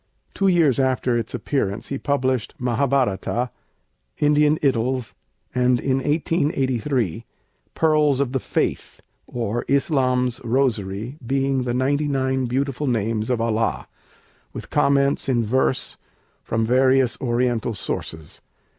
Two years after its appearance he published 'Mahâbhârata,' 'Indian Idylls,' and in 1883, 'Pearls of the Faith; or, Islam's Rosary Being the Ninety nine Beautiful Names of Allah, with Comments in Verse from Various Oriental Sources.'